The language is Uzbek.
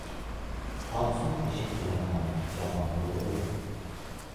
• Oqsoq eshak bilan ham karvon yuraveradi.